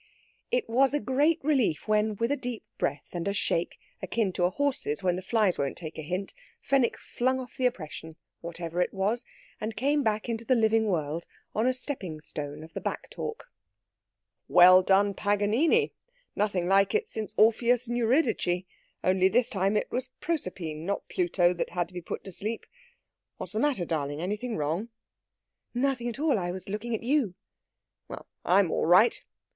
It was a great relief when, with a deep breath and a shake, akin to a horse's when the flies won't take a hint, Fenwick flung off the oppression, whatever it was, and came back into the living world on a stepping stone of the back talk. "Well done, Paganini! Nothing like it since Orpheus and Eurydice only this time it was Proserpine, not Pluto, that had to be put to sleep.... What's the matter, darling? Anything wrong?" "Nothing at all. I was looking at you." "Well, I'm all right!"